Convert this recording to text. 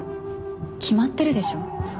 決まってるでしょう。